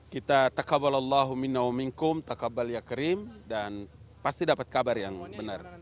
kita takabalallahu minaw minkum takabal yakrim dan pasti dapat kabar yang benar